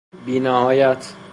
بینهایت